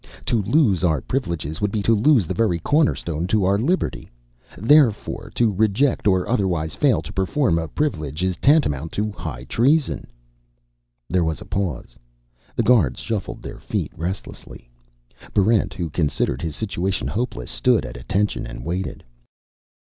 To lose our privileges would be to lose the very cornerstone of our liberty. Therefore to reject or otherwise fail to perform a privilege is tantamount to high treason." There was a pause. The guards shuffled their feet restlessly. Barrent, who considered his situation hopeless, stood at attention and waited.